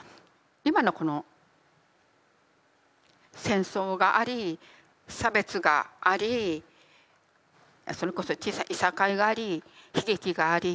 今のこの戦争があり差別がありそれこそ小さいいさかいがあり悲劇があり。